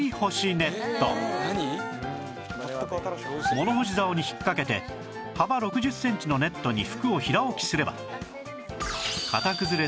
物干し竿に引っ掛けて幅６０センチのネットに服を平置きすれば